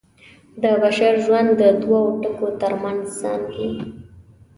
د بشر ژوند د دوو ټکو تر منځ زانګي.